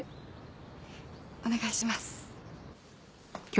お願いします。